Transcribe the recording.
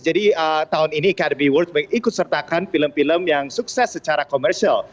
jadi tahun ini academy awards mengikut sertakan film film yang sukses secara komersial